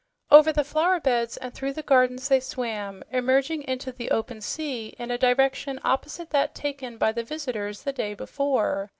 Over the flower beds and through the gardens they swam, emerging into the open sea in a direction opposite that taken by the visitors the day before.